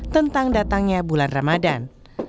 tentang datangnya bulan ramadan